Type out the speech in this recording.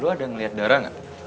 lo ada ngeliat darah gak